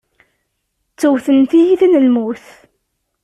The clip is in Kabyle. Ttewten tiyita n lmut.